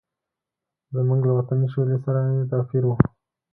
زموږ له وطني شولې سره یې توپیر و.